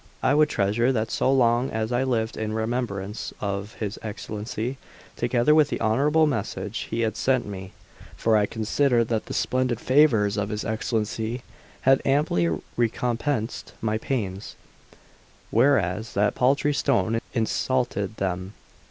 I would treasure that so long as I lived in remembrance of his Excellency, together with the honourable message he had sent me; for I considered that the splendid favours of his Excellency had amply recompensed my pains, whereas that paltry stone insulted them.